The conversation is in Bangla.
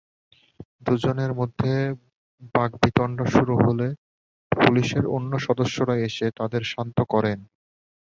দুজনের মধ্যে বাগ্বিণ্ডতা শুরু হলে পুলিশের অন্য সদস্যরা এসে তাঁদের শান্ত করেন।